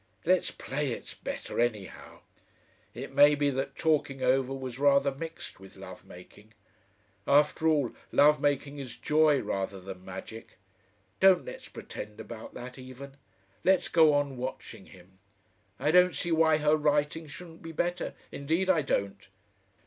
Let's play it's better anyhow. It may be that talking over was rather mixed with love making. After all, love making is joy rather than magic. Don't let's pretend about that even.... Let's go on watching him. (I don't see why her writing shouldn't be better. Indeed I don't.)